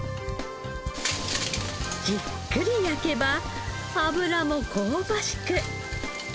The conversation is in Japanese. じっくり焼けば脂も香ばしく。